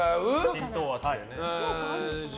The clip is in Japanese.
浸透圧でね。